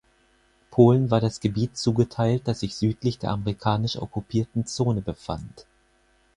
Polen war das Gebiet zugeteilt, das sich südlich der amerikanisch okkupierten Zone befand.